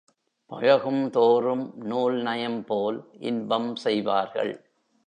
பழகும்தோறும் நூல்நயம் போல் இன்பம் செய்வார்கள்.